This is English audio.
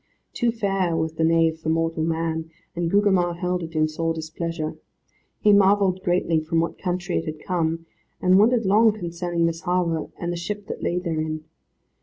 Too fair was the nave for mortal man, and Gugemar held it in sore displeasure. He marvelled greatly from what country it had come, and wondered long concerning this harbour, and the ship that lay therein.